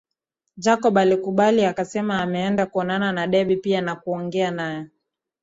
Jacob alikubali akasema ameenda kuonana na Debby pia na kuongea nae